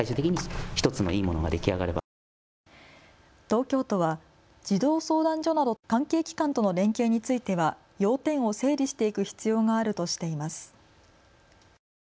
東京都は児童相談所など関係機関との連携については要点を整理していく必要があるとしています。